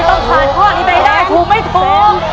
ต้องหาข้อนี้ไปได้ถูกไหมถูก